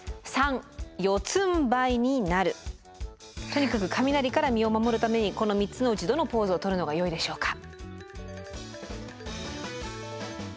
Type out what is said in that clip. とにかく雷から身を守るためにこの３つのうちどのポーズを取るのがよいでしょうか。